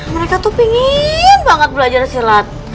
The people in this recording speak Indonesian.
mereka tuh pengen banget belajar silat